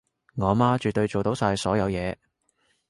我媽絕對做到晒所有嘢